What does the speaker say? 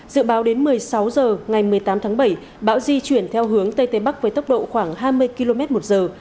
dự báo đến một mươi sáu giờ ngày một mươi tám tháng bảy bão di chuyển theo hướng tây tây bắc với tốc độ khoảng hai mươi km một giờ